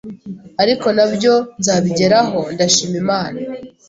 ariko nabyo nza kubigeraho ndashima Imana